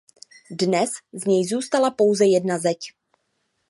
Dnes z něj zůstala pouze jedna zeď.